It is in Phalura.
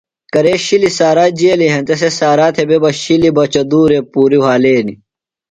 کرے شِلیۡ سارا جیلیۡ ہینتہ سےۡ سارا تھےۡ بےۡ بہ شِلیۡ تھےۡ بہ چدُور پُوری وھالینیۡ۔